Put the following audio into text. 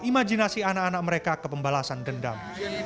imajinasi anak anak mereka ke pembalasan dendam